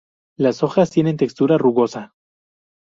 Las hojas tienen textura rugosa.